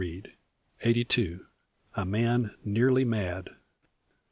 CHAPTER EIGHTY TWO. A MAN NEARLY MAD.